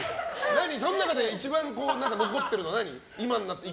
その中で一番残ってるのは何？